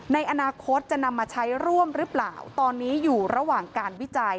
ในอนาคตจะนำมาใช้ร่วมหรือเปล่าตอนนี้อยู่ระหว่างการวิจัย